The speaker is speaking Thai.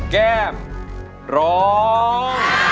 แก้มร้อง